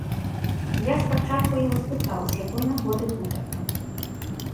Я спачатку ў яго спытаў, з якой нагоды гутарка?